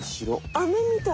アメみたい。